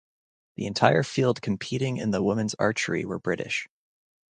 The entire field competing in the women's archery were British.